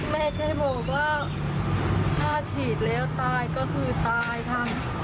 แม่แค่บอกว่าถ้าฉีดแล้วตายก็คือตายค่ะ